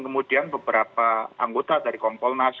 kemudian beberapa anggota dari kompolnas